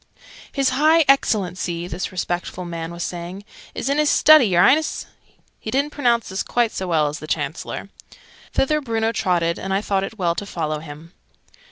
"His High Excellency," this respectful man was saying, "is in his Study, y'reince!" (He didn't pronounce this quite so well as the Chancellor.) Thither Bruno trotted, and I thought it well to follow him.